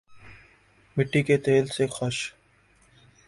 مٹی کے تیل سے خش